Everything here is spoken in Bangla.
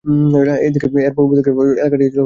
এর পূর্বদিকের এলাকাটি ছিল জলাভূমি।